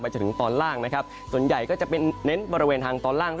จนถึงตอนล่างนะครับส่วนใหญ่ก็จะเป็นเน้นบริเวณทางตอนล่าง